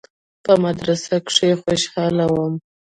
په مدرسه کښې خوشاله وم.